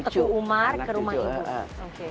tebu umar ke rumah ibu